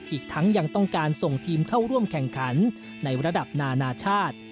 อีกทั้งยังต้องการส่งทีมเข้าร่วมแข่งขันในระดับนานาชาติ